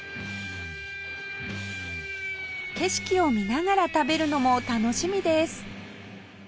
景色を見ながら食べるのも楽しみです